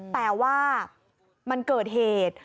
แต่ว่ามันเกิดเหตุ